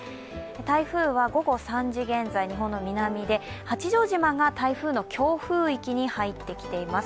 台風は午後３時現在、日本の南で八丈島が台風の強風域に入ってきています。